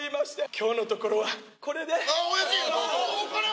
今日のところはこれで。